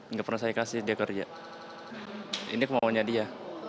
nggak pernah saya kasih dia kerja ini kemaunya dia